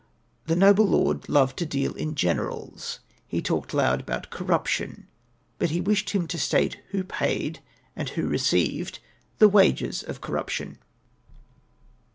The noble lord loved to deal in generals. He talked loud about corruption, but he wished him to state who paid and who received the wages of corruption.